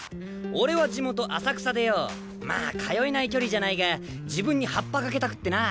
俺は地元浅草でよまあ通えない距離じゃないが自分にハッパかけたくってな。